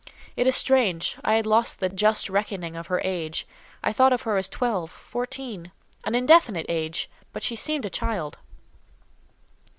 It is strange; I had lost the just reckoning of her age. I thought of her as twelve—fourteen—an indefinite date; but she seemed a child."